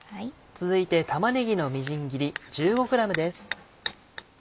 続いて玉ねぎのみじん切り１５ｇです。